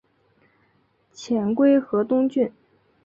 遣归河东郡。